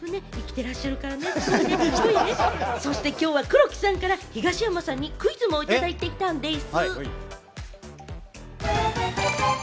今日は黒木さんから東山さんにクイズをいただいてきたんでぃす。